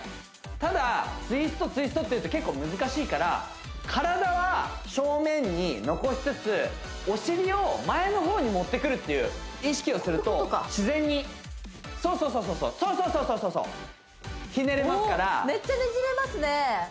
ただツイストツイストっていうと結構難しいから体は正面に残しつつお尻を前の方に持ってくるっていう意識をすると自然にそうそうそうひねれますからおおメッチャねじれますね